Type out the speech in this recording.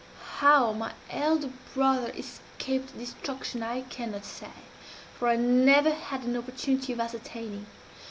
How my elder brother escaped destruction I cannot say, for I never had an opportunity of ascertaining.